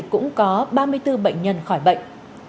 cũng có ba mươi bốn bệnh nhân khỏi bệnh